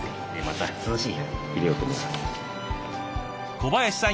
小林さん